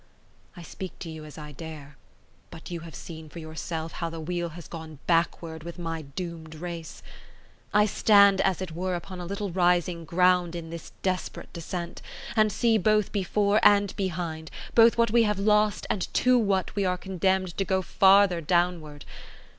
I speak to you as I dare; but you have seen for yourself how the wheel has gone backward with my doomed race. I stand, as it were, upon a little rising ground in this desperate descent, and see both before and behind, both what we have lost and to what we are condemned to go farther downward.